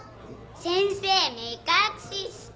先生目隠しして。